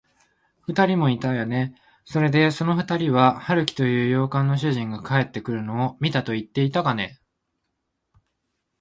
ふたりもいたんだね。それで、そのふたりは、春木という洋館の主人が帰ってくるのを見たといっていたかね。